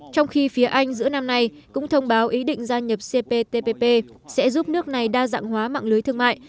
trong khi phía anh giữa năm nay cũng thông báo ý định gia nhập cptpp sẽ giúp nước này đa dạng hóa mạng lưới thương mại